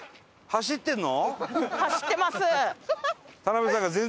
走ってるの？